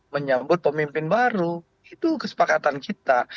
menyambut pemimpin baru itu kesepakatan kita